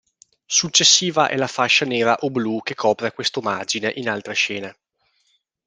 Successiva è la fascia nera o blu che copre questo margine in altre scene.